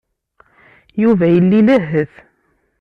Yuba yella ilehhet.